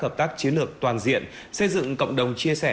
chúng ta sẽ tạo ra một chiến lược toàn diện xây dựng cộng đồng chia sẻ